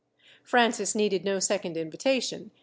Francis needed no second invitation.